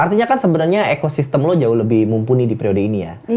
artinya kan sebenarnya ekosistem lo jauh lebih mumpuni di periode ini ya